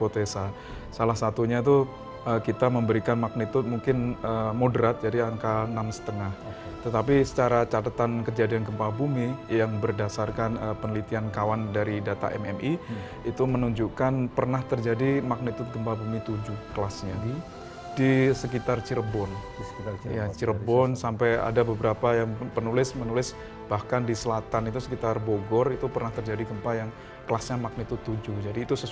terima kasih terima kasih terima kasih terima kasih